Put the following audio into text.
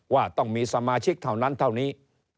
ว่าต้องมีสมาชิกเท่านั้นเท่านี้